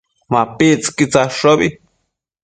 MapictsËquid tsadshobi